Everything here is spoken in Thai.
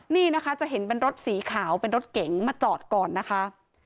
นี่นะคะจะเห็นเป็นรถสีขาวเป็นรถเก๋งมาจอดก่อนนะคะ